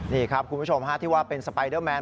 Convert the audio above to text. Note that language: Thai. นี่ครับคุณผู้ชมที่ว่าเป็นสไปเดอร์แมน